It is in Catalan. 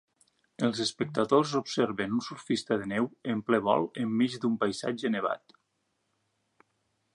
Els espectadors observen un surfista de neu en ple vol enmig d'un paisatge nevat.